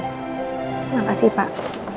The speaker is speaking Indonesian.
terima kasih pak